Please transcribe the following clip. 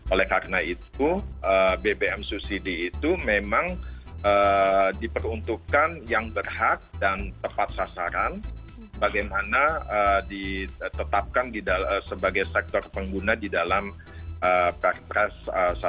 oleh karena itu bbm subsidi itu memang diperuntukkan yang berhak dan tepat sasaran bagaimana ditetapkan sebagai sektor pengguna di dalam perpres satu ratus sembilan puluh satu dua ribu empat belas